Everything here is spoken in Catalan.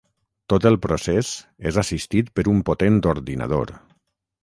Tot el procés és assistit per un potent ordinador.